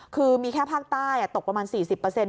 คือมีแค่ภาคใต้อะตกประมาณสี่สิบเปอร์เซ็นต์